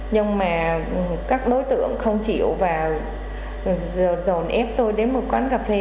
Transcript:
nhưng mà các đối tượng không chịu và dồn ép tôi đến một quán cà phê